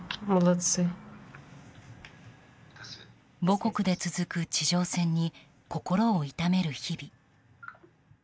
母国で続く地上戦に心を痛める日々。